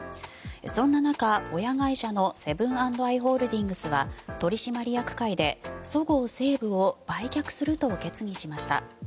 そんな中、親会社のセブン＆アイ・ホールディングスは取締役会でそごう・西武を売却すると決議しました。